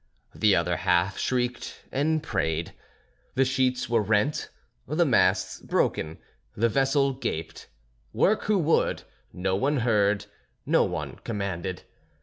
The other half shrieked and prayed. The sheets were rent, the masts broken, the vessel gaped. Work who would, no one heard, no one commanded.